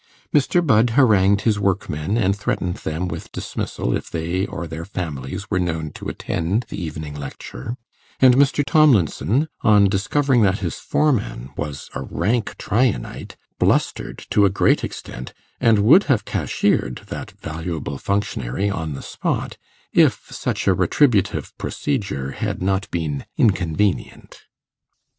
Mr. Budd harangued his workmen, and threatened them with dismissal if they or their families were known to attend the evening lecture; and Mr. Tomlinson, on discovering that his foreman was a rank Tryanite, blustered to a great extent, and would have cashiered that valuable functionary on the spot, if such a retributive procedure had not been inconvenient.